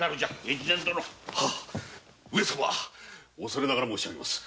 越前殿！恐れながら申し上げます。